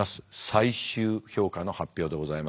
最終評価の発表でございます。